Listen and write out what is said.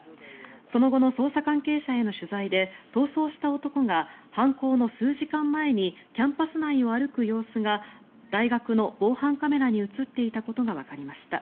その後の捜査関係者への取材で逃走した男が犯行の数時間前にキャンパス内を歩く様子が大学の防犯カメラに映っていたことがわかりました。